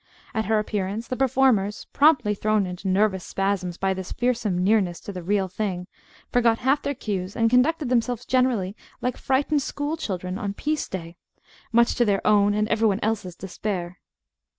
At her appearance the performers promptly thrown into nervous spasms by this fearsome nearness to the "real thing" forgot half their cues, and conducted themselves generally like frightened school children on "piece day," much to their own and every one else's despair.